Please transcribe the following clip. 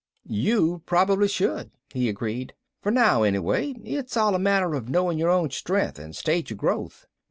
"You probably should," he agreed. "For now, anyway. It's all a matter of knowing your own strength and stage of growth.